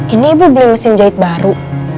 ini ibu beli mesin jahit baru